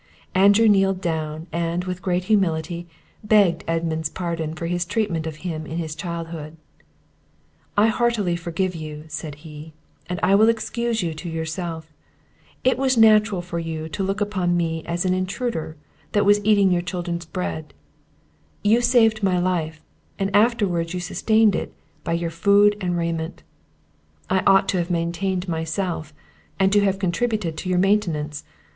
Andrew kneeled down, and, with great humility, begged Edmund's pardon for his treatment of him in his childhood. "I heartily forgive you," said he, "and I will excuse you to yourself; it was natural for you to look upon me as an intruder that was eating your children's bread; you saved my life, and afterwards you sustained it by your food and raiment: I ought to have maintained myself, and to have contributed to your maintenance.